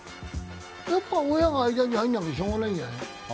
やっぱ親が間に入らなきゃしようがないんじゃない。